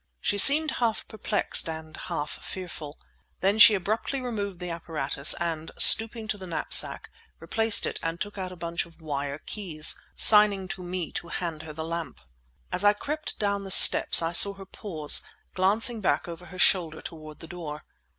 She seemed half perplexed and half fearful. Then she abruptly removed the apparatus, and, stooping to the knapsack, replaced it and took out a bunch of wire keys, signing to me to hand her the lamp. As I crept down the steps I saw her pause, glancing back over her shoulder toward the door.